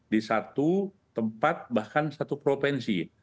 di satu tempat bahkan satu provinsi